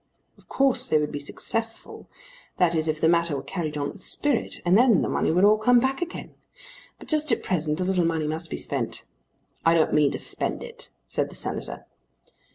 Of course they would be successful, that is if the matter were carried on with spirit, and then the money would all come back again. But just at present a little money must be spent. "I don't mean to spend it," said the Senator.